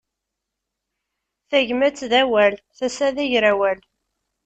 Tagmat d awal, tasa d agrawal.